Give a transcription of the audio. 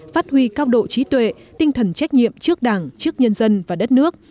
phát huy cao độ trí tuệ tinh thần trách nhiệm trước đảng trước nhân dân và đất nước